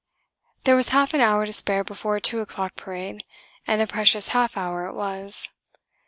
There was half an hour to spare before 2 o'clock parade, and a precious half hour it was.